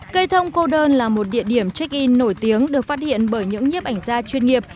cây thông cô đơn là một địa điểm check in nổi tiếng được phát hiện bởi những nhiếp ảnh gia chuyên nghiệp